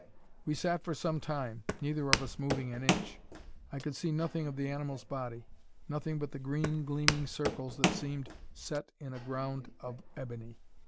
We sat for some time, neither of us moving an inch. I could see nothing of the animal's body; nothing but the green gleaming circles that seemed set in a ground of ebony.